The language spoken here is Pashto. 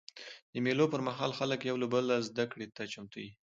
د مېلو پر مهال خلک یو له بله زدهکړې ته چمتو يي.